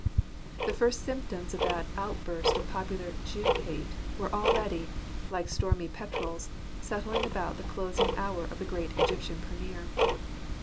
The first symptoms of that outburst of popular « Jew hate " were already, like stormy petrels, settling about the closing hour of the great Egyptian premier.